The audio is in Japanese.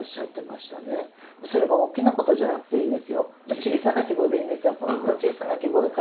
小さな希望でいいんですよ。